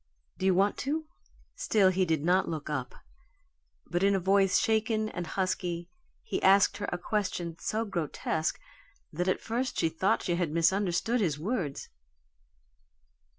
Do you want to?" Still he did not look up, but in a voice, shaken and husky he asked her a question so grotesque that at first she thought she had misunderstood his words.